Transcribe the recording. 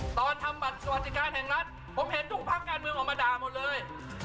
ตอนทำบัตรสวัสดิการแห่งรัฐผมเห็นทุกภาคการเมืองออกมาด่าหมดเลย